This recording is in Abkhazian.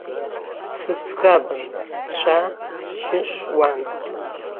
Сыӡӷабын, сцәа-сжьы шуан.